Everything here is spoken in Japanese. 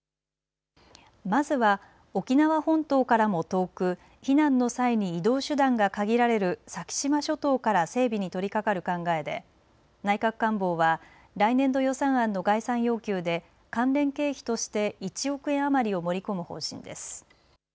まずは沖縄本島からも遠く避難の際に移動手段が限られる先島諸島から整備に取りかかる考えで内閣官房は来年度予算案の概算要求で関連経費として１億円余りを盛り込む方針です。